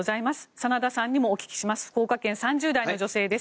真田さんにもお聞きします。